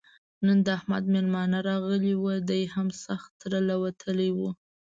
نن د احمد مېلمانه راغلي ول؛ دی هم سخت تر له وتلی وو.